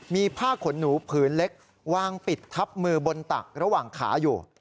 มีผ้าขนหนูผืนเล็กวางปิดทับมือบนตักระหว่างขาอยู่